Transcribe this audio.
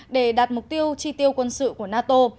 để đạt mục tiêu chi tiêu quân sự của nato